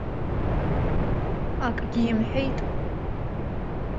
Акгьы имҳәеит.